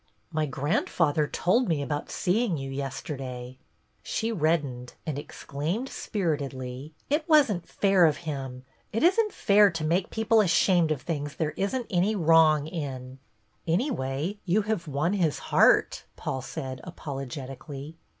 " My grandfather told me about seeing you yesterday." She reddened and exclaimed spiritedly, — "It wasn't fair of him! It isn't fair to make people ashamed of things there is n't any wrong in." 152 BETTY BAIRD " Anyway, you have won his heart," Paul said apologetically.